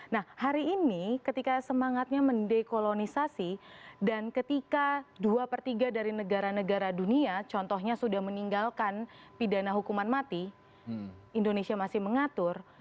nah hari ini ketika semangatnya mendekolonisasi dan ketika dua per tiga dari negara negara dunia contohnya sudah meninggalkan pidana hukuman mati indonesia masih mengatur